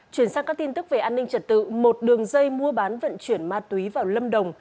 chuyển sang các tin tức về an ninh trật tự một đường dây mua bán vận chuyển ma túy vào lâm đồng